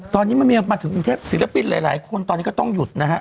ตอนนี้มาถึงกรุงเทพศิลปินหลายคนตอนนี้ก็ต้องหยุดนะฮะ